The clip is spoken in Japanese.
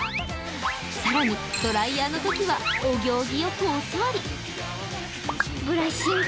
更にドライヤーのときはお行儀よくお座り。